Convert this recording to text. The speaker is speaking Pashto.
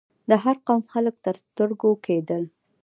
د هر قوم خلک تر سترګو کېدل.